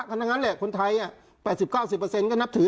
คือเท่านั้นแหละคนไทยแปดสิบเก้าสิบเปอร์เซ็นต์ก็นับถือ